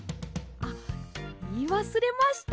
あっいいわすれました。